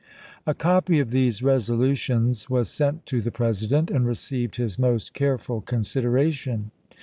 A copy of these resolutions was sent to the Presi dent, and received his most careful consideration.